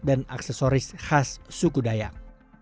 dan aksesoris khas suku dayak